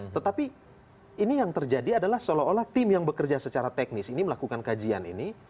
tetapi ini yang terjadi adalah seolah olah tim yang bekerja secara teknis ini melakukan kajian ini